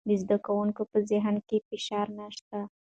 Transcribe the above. د زده کوونکو په ذهن کې فشار نشته.